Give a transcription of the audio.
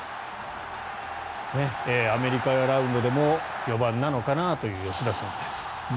アメリカラウンドでも４番なのかなという吉田さんです。